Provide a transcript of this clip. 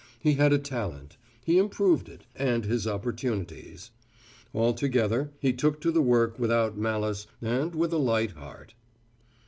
He had a talent; he improved it and his opportunities. Altogether, he took to the work without malice and with a light heart.